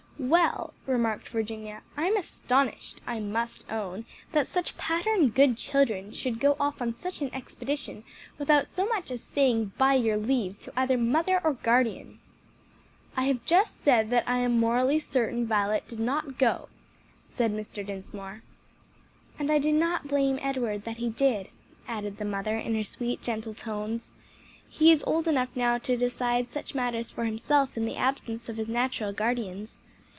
"Well," remarked Virginia, "I'm astonished, I must own, that such pattern good children should go off on such an expedition without so much as saying by your leave to either mother or guardian." "I have just said that I am morally certain Violet did not go," said Mr. Dinsmore. "And I do not blame Edward that he did," added the mother in her sweet, gentle tones; "he is old enough now to decide such matters for himself in the absence of his natural guardians.